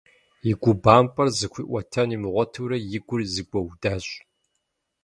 И губампӏэр зыхуиӏуэтэн имыгъуэтурэ и гур зэгуэудащ.